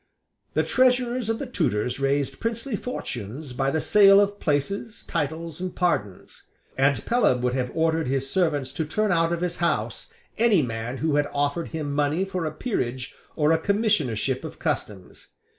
The Treasurers of the Tudors raised princely fortunes by the sale of places, titles, and pardons; and Pelham would have ordered his servants to turn out of his house any man who had offered him money for a peerage or a commissionership of customs.